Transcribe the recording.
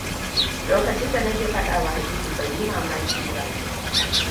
Lokacin da na ke faɗawa Habibu bai yi mamaki ba.